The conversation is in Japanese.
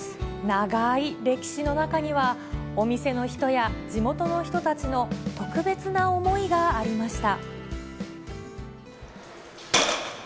長い歴史の中には、お店の人や、地元の人たちの特別な思いがありました。